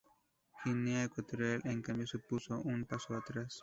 Guinea Ecuatorial, en cambio, supuso un paso atrás.